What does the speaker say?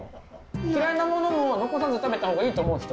嫌いなものも残さず食べたほうがいいと思う人？